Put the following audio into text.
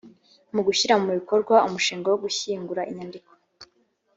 mu gushyira mu bikorwa umushinga wo gushyingura inyandiko